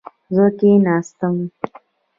زه کښېناستم